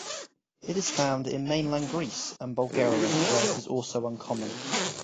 It is found in mainland Greece and Bulgaria, where it is also uncommon.